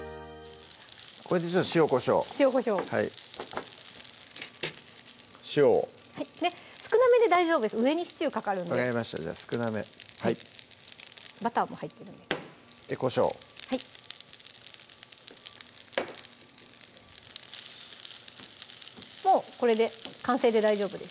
これで塩・こしょう塩・こしょう塩を少なめで大丈夫です上にシチューかかるんで分かりましたじゃあ少なめバターも入ってるんでこしょうもうこれで完成で大丈夫です